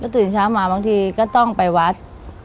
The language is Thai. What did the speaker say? ตื่นเช้ามาบางทีก็ต้องไปวัด